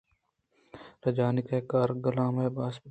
رجانک کار۔ گلام اباس بلوچ۔